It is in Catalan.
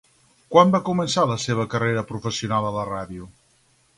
Quan va començar la seva carrera professional a la ràdio?